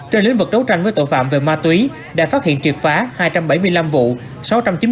trên lĩnh vực đấu tranh với tội phạm về ma túy đã phát hiện triệt phá hai trăm bảy mươi năm vụ